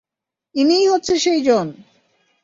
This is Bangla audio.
ইনিই হচ্ছেন সেইজন!